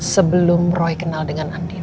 sebelum roy kenal dengan andin